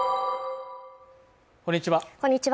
こんにちは